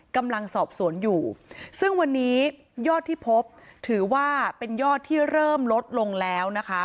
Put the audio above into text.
กำลังสอบสวนอยู่ซึ่งวันนี้ยอดที่พบถือว่าเป็นยอดที่เริ่มลดลงแล้วนะคะ